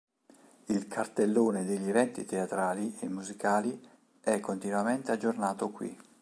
Il cartellone degli eventi teatrali e musicali è continuamente aggiornato qui.